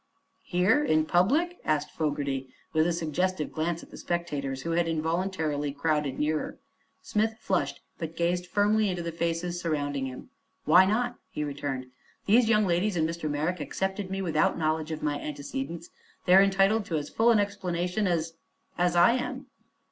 "Here in public?" asked Fogerty, with a suggestive glance at the spectators, who had involuntarily crowded nearer. Smith flushed, but gazed firmly into the faces surrounding him. "Why not?" he returned. "These young ladies and Mr. Merrick accepted me without knowledge of my antecedents. They are entitled to as full an explanation as as I am."